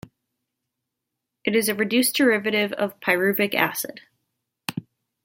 It is a reduced derivative of pyruvic acid.